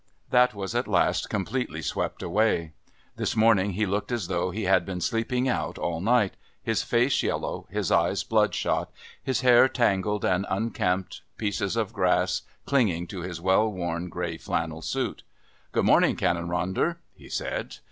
That was at last completely swept away. This morning he looked as though he had been sleeping out all night, his face yellow, his eyes bloodshot, his hair tangled and unkempt, pieces of grass clinging to his well worn grey flannel suit. "Good morning, Canon Ronder," he said.